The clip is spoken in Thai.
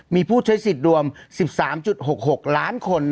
มีผู้ใช้สิทธิ์รวม๑๓๖๖ล้านคน